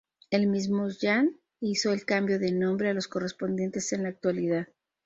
El mismo Jahn hizo el cambio de nombre a los correspondientes en la actualidad.